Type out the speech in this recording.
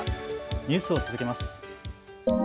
ニュースを続けます。